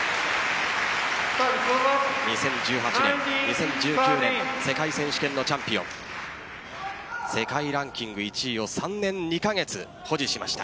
２０１８年、２０１９年世界選手権のチャンピオン世界ランキング１位を３年２カ月保持しました。